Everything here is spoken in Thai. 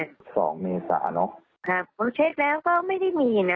ครับเพราะเช็กแล้วก็ไม่ได้มีนะ